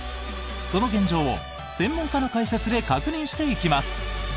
その現状を専門家の解説で確認していきます！